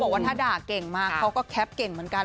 ว่าถ้าด่าเก่งมากเขาก็แคปเก่งเหมือนกัน